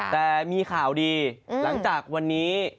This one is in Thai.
แต่มีข่าวดีหลังจากวันนี้